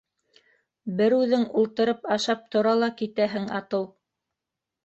Берүҙең ултырып ашап тора ла китәһең атыу.